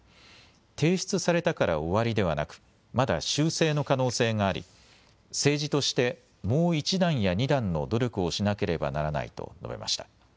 提出されたから終わりではなくまだ修正の可能性があり政治としてもう一段や二段の努力をしなければならないと述べました。